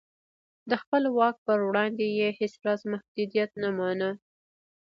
د خپل واک پر وړاندې یې هېڅ راز محدودیت نه مانه.